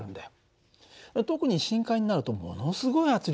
特に深海になるとものすごい圧力がかかるんだね。